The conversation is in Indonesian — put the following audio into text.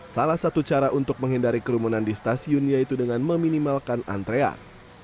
salah satu cara untuk menghindari kerumunan di stasiun yaitu dengan meminimalkan antrean